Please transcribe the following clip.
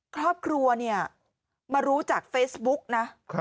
ครอบครัวเนี่ยมารู้จากเฟซบุ๊กนะ